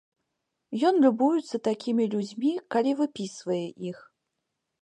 Ён любуецца такімі людзьмі, калі выпісвае іх.